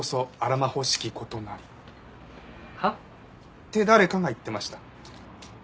って誰かが言ってました。